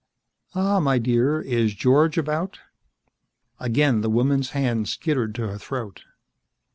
"Ah, my dear. Is George about?" Again, the woman's hand skittered to her throat.